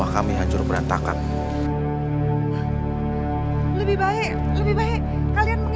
kayaknya dimana bang